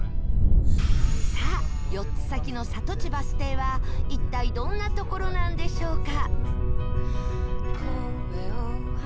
さあ４つ先の里地バス停は一体どんな所なんでしょうか？